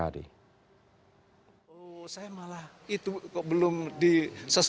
nawab einmal media negara juga yasung